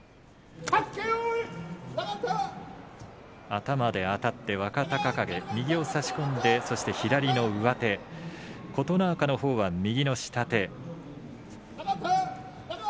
頭であたって若隆景右を差し込んで、そして左の上手琴ノ若のほうが右の下手。